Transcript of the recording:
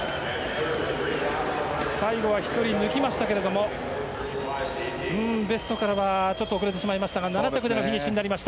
最後は１人、抜きましたけれどもベストからはちょっと遅れてしまいましたが７着でのフィニッシュ。